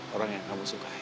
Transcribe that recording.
orang yang kamu sukai